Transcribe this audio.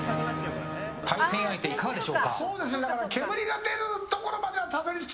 対戦相手、いかがでしょうか。